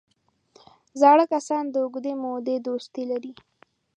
زاړه کسان د اوږدې مودې دوستي لري